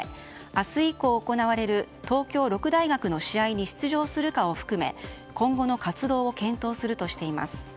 明日以降、行われる東京六大学の試合に出場するかを含め、今後の活動を検討するとしています。